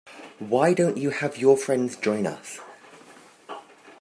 Why don't you have your friends join us?